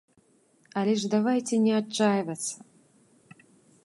Але ж давайце не адчайвацца.